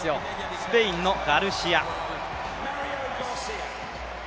スペインのガルシア。